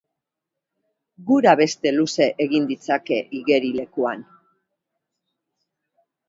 Gura beste luze egin ditzake igerilekuan.